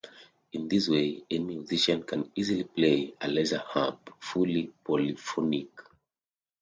In this way any musician can easily play a laser harp, fully polyphonic.